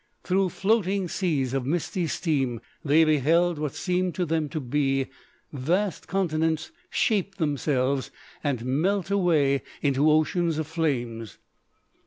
Through floating seas of misty steam they beheld what seemed to them to be vast continents shape themselves and melt away into oceans of flames.